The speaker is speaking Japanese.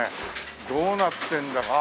どうなってるんだか。